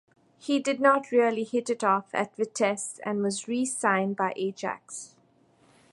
He did not really hit it off at Vitesse and was re-signed by Ajax.